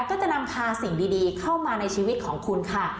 ก็จะนำพาสิ่งดีเข้ามาในชีวิตของคุณค่ะ